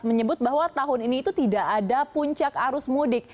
menyebut bahwa tahun ini itu tidak ada puncak arus mudik